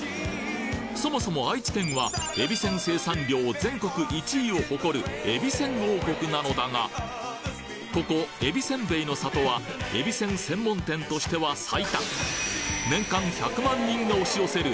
そもそも愛知県はえびせん生産量全国１位を誇るえびせん王国なのだがここえびせんべいの里はえびせん専門店としては最多が押し寄せる